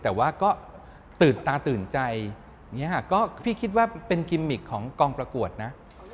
แต่ว่าก็ตื่นตาตื่นใจอย่างนี้ค่ะก็พี่คิดว่าเป็นกิมมิกของกองประกวดนะ